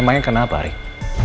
memangnya kena apa rick